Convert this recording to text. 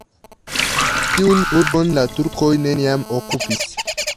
Tiun urbon la turkoj neniam okupis.